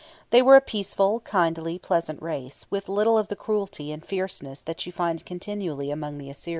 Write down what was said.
They were a peaceful, kindly, pleasant race, with little of the cruelty and fierceness that you find continually among the Assyrians.